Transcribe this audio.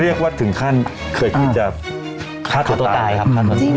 คือเรียกว่าถึงขั้นเคยคิดจะฆ่าตัวตายครับฆ่าตัวตายจริง